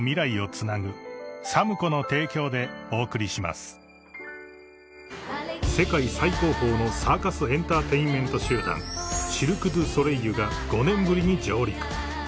新「ブローネ泡カラー」「ブローネ」［世界最高峰のサーカス・エンターテインメント集団シルク・ドゥ・ソレイユが５年ぶりに上陸］